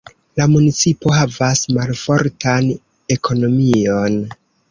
La municipo havas malfortan ekonomion.